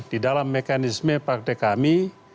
di dalam mekanisme partai kami